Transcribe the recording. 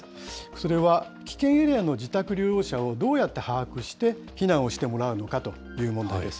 それは危険エリアの自宅療養者をどうやって把握して、避難をしてもらうのかという問題です。